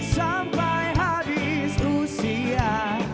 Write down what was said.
sampai habis usia